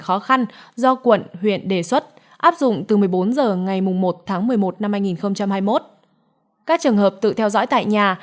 các khó khăn do quận huyện đề xuất áp dụng từ một mươi bốn h ngày một tháng một mươi một năm hai nghìn hai mươi một các trường hợp tự theo dõi tại nhà